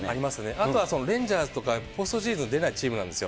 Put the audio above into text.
あとはレンジャーズとか、ポストシーズン出ないチームなんですよ。